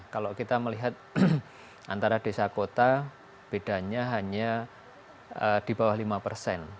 kalau kita melihat antara desa kota bedanya hanya di bawah lima persen